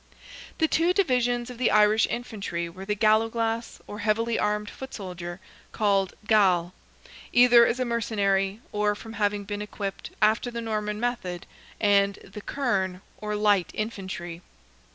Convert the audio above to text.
The two divisions of the Irish infantry were the galloglass, or heavily armed foot soldier, called gall, either as a mercenary, or from having been equipped after the Norman method, and the kerne, or light infantry.